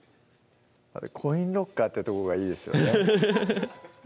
コインロッカーってとこがいいですよね